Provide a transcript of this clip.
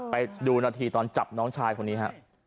ไปดูนาทีตอนจับน้องชายคนนี้ฮะ